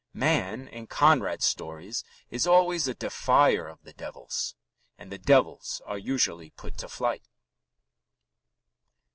Man in Mr. Conrad's stories is always a defier of the devils, and the devils are usually put to flight.